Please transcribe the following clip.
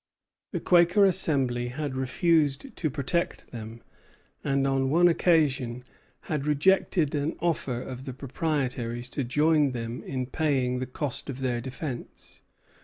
The Quaker Assembly had refused to protect them; and on one occasion had rejected an offer of the proprietaries to join them in paying the cost of their defence.